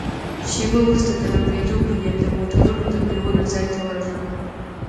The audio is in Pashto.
شیبه وروسته د لمبېدو په نیت د موټرونو د پرېولو ځای ته ورغلم.